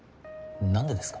何でですか？